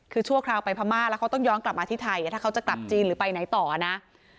คือชั่วคราวไปพม่าแล้วเขาต้องย้อนกลับมาที่ไทยถ้าเขาจะกลับจีนหรือไปไหนต่อนะ